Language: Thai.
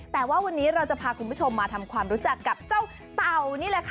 แต่ว่าวันนี้เราจะพาคุณผู้ชมมาทำความรู้จักกับเจ้าเต่านี่แหละค่ะ